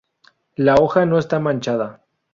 La hoja no está manchada.